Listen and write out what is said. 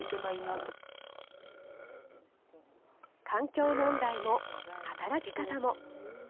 環境問題も、働き方も。